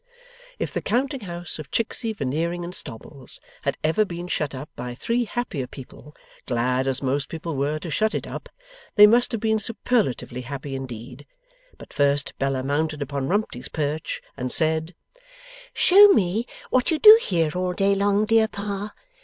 If the counting house of Chicksey, Veneering, and Stobbles had ever been shut up by three happier people, glad as most people were to shut it up, they must have been superlatively happy indeed. But first Bella mounted upon Rumty's Perch, and said, 'Show me what you do here all day long, dear Pa.